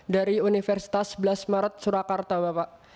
dari universitas sebelas maret surakarta bapak